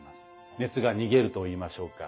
熱が逃げるといいましょうか。